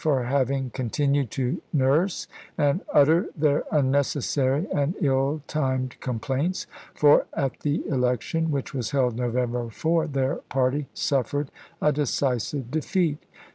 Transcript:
for having continued to nui'se and utter their un necessary and ill timed complaints, for at the elec tion, which was held November 4, their party isea suffered a decisive defeat.